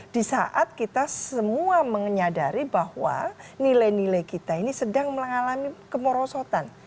di saat kita semua menyadari bahwa nilai nilai kita ini sedang mengalami kemerosotan